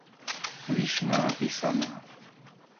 Vyšná Pisaná